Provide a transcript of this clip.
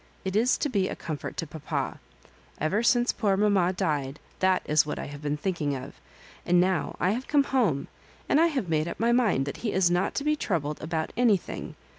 It is to be a comfort to papa. Ever smce poor mamma died that is what I have been thinkmg of; and now I have come home, and I have made up my mind that he is not to be troubled about anything.